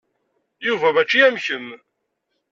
Yuba mačči am kemm.